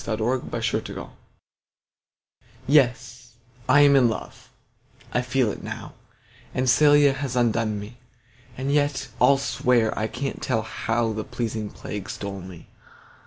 Y Z The Je Ne Scai Quoi YES, I'm in love, I feel it now, And Cælia has undone me; And yet I'll swear I can't tell how The pleasing plague stole on me.